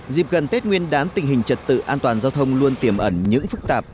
dịp gần tết nguyên đán tình hình trật tự an toàn giao thông luôn tiềm ẩn những phức tạp